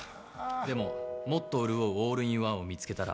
でも、もっと潤うオールインワンを見つけたら。